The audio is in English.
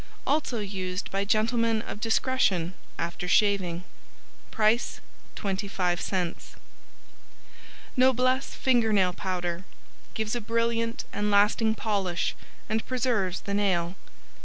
Also used by Gentlemen of discretion after shaving. Price 25c Noblesse Finger Nail Powder Gives a brilliant and lasting polish and preserves the nail.